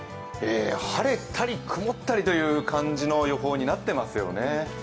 晴れたり曇ったりという感じの予報になっていますよね。